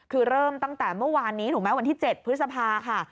คือเริ่มตั้งแต่เมื่อวานนี้ถูกไหมวันที่๗พฤษภาค่ะ